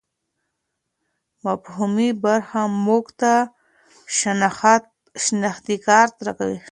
مفهومي برخه موږ ته شناخت راکوي.